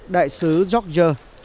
đại sứ george g